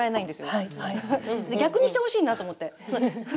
逆にしてほしいなと思って。